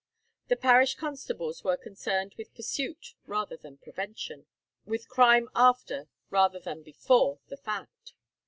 The parish constables were concerned with pursuit rather than prevention, with crime after rather than before the fact.